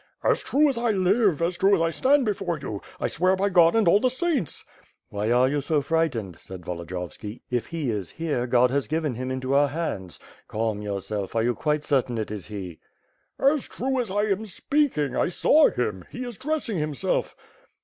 "As true as I live! As true as I stand before you! I swear by God and all the saints!" *^hy are you so frightened," said Volodiyovski. "If he is there, God has given him into our hands. Calm yourself! Are you quite certain it is he?" "As true as I am speaking. I saw him. He is dressing himself."